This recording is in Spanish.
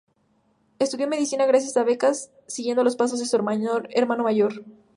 Estudió Medicina gracias a becas, siguiendo los pasos de su hermano mayor.